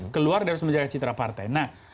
keluar dari harus menjaga citra partai